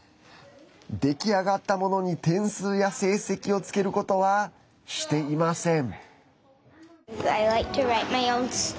出来上がったものに点数や成績をつけることはしていません。